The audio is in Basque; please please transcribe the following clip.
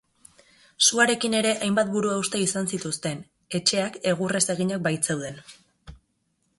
Suarekin ere hainbat buruhauste izan zituzten, etxeak egurrez eginak baitzeuden.